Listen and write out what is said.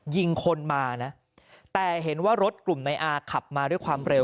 ยิงคนมานะแต่เห็นว่ารถกลุ่มนายอาขับมาด้วยความเร็ว